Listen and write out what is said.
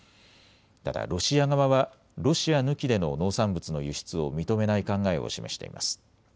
ただロシア側はロシア抜きでの農産物の輸出を認めない考えを示しています。